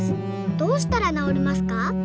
どうしたらなおりますか？」。